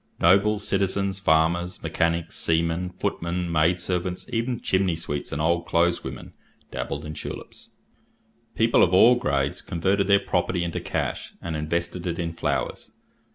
Nobles, citizens, farmers, mechanics, sea men, footmen, maid servants, even chimney sweeps and old clothes women, dabbled in tulips. People of all grades converted their property into cash, and invested it in flowers.